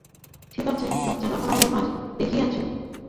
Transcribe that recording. ঠিক আছে - বাচ্চারা - ভাল কাজ দেখিয়েছো, ঠিক আছে?